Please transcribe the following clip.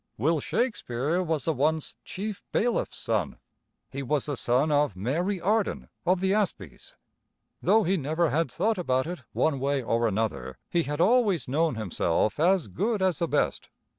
Will Shakespeare was the once chief bailiff's son. He was the son of Mary Arden of the Asbies. Though he never had thought about it one way or another, he had always known himself as good as the best.